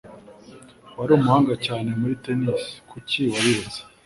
Wari umuhanga cyane muri tennis. Kuki wabiretse?